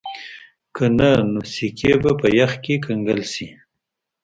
که نه نو سکي به په یخ کې کنګل شي